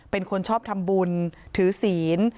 เป็นคนชอบทำบุญถือศีล